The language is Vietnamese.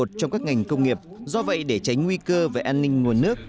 trong các ngành công nghiệp do vậy để tránh nguy cơ về an ninh nguồn nước